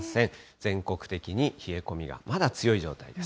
全国的に冷え込みがまだ強い状態です。